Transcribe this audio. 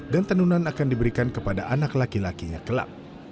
dan tenunan akan diberikan kepada anak laki lakinya kelak